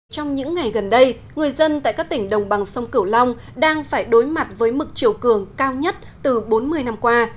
trong những ngày gần đây người dân tại các tỉnh đồng bằng sông cửu long đang phải đối mặt với mực chiều cường cao nhất từ bốn mươi năm qua